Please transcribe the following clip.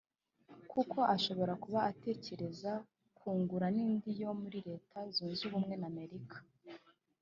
kuko ashobora kuba atekereza kugura n’indi yo muri Leta Zunze Ubumwe za Amerika